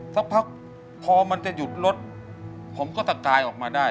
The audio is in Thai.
สักพักพอมันจะหยุดรถผมก็ตะกายออกมาได้